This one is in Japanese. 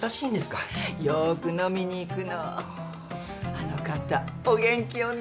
あの方お元気よね。